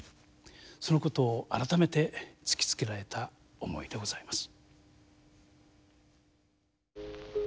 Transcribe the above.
そのことを改めて突きつけられた思いでございます。